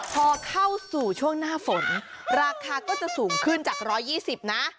พอเข้าสู่ช่วงหน้าฝนราคาก็จะสูงขึ้นจาก๑๒๐นะ